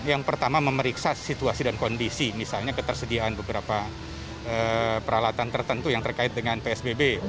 yang pertama memeriksa situasi dan kondisi misalnya ketersediaan beberapa peralatan tertentu yang terkait dengan psbb